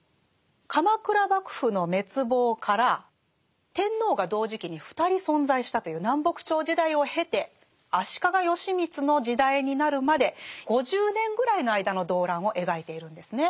鎌倉幕府の滅亡から天皇が同時期に２人存在したという南北朝時代を経て足利義満の時代になるまで５０年ぐらいの間の動乱を描いているんですね。